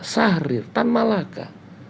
sahrir tan malaka